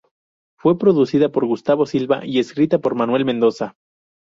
Fue producida por Gustavo Silva y escrita por Manuel Mendoza.